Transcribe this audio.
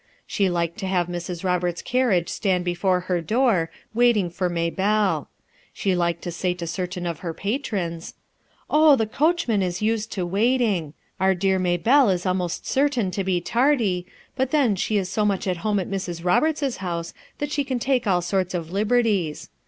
She liked to have Mrs. Roberts's carriage &tiui<l before her door waiting for Maybelle, She liked to say to certain of her patrons; — "Oh, the coachman is used to watting; our dear Maybelle is almost certain to be tardy but thou she is so much at borne at Mrs. Roberta's house that she can take all sorts of liberties.